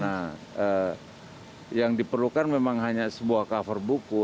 nah yang diperlukan memang hanya sebuah cover buku